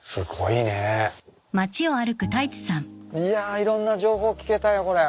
いやいろんな情報聞けたよこれ。